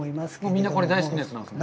みんなこれ、大好きなやつなんですね。